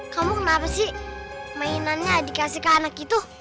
kamu kenapa sih mainannya dikasih ke anak gitu